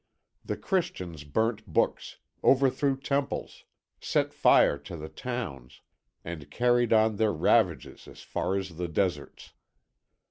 The Christians burnt books, overthrew temples, set fire to the towns, and carried on their ravages as far as the deserts.